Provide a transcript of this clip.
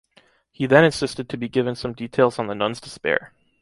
He then insisted to be given some detail on the nuns’ despair.